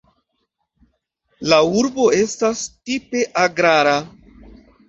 La urbo estas tipe agrara.